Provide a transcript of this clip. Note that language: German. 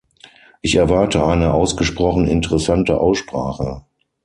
Ich erwarte eine ausgesprochen interessante Aussprache.